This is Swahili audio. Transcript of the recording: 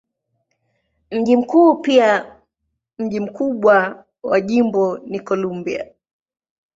Mji mkuu pia mji mkubwa wa jimbo ni Columbia.